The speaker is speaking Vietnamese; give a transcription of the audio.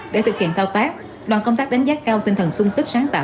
để thực hiện thao tác đoàn công tác đánh giá cao tinh thần sung kích sáng tạo